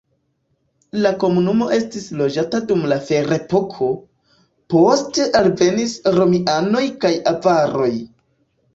La komunumo estis loĝata dum la ferepoko, poste alvenis romianoj kaj avaroj.